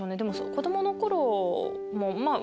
子供の頃も割と。